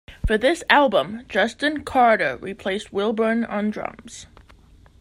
For this album, Justin Carder replaced Wilburn on drums.